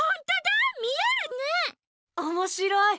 おもしろい！